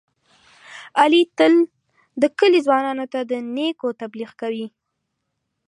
علي تل د کلي ځوانانو ته د نېکو تبلیغ کوي.